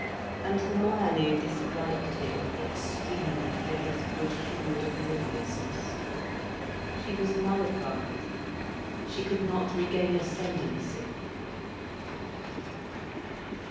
And Hermione disliked him extremely for his good humoured obliviousness, she was nullified, she could not regain ascendancy.